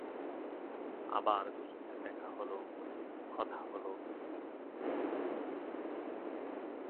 ফলে স্কটল্যান্ড ও নেদারল্যান্ডস দল যৌথভাবে ট্রফি ভাগাভাগি করে নেয়।